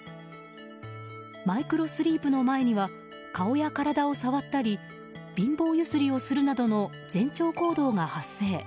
マイクロスリープの前には顔や体を触ったり貧乏ゆすりをするなどの前兆行動が発生。